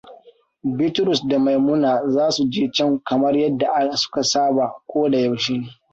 Bitrus da Maimuna za su je can kamar yadda suka saba ko da yaushe.